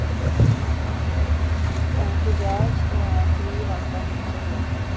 احتجاج تو آخری راستہ ہونا چاہیے۔